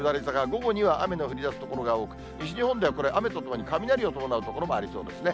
午後には雨の降りだす所が多く、西日本ではこれ、雨とともに雷を伴う所もありそうですね。